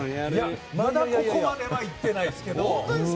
まだ、ここまではいってないですけど。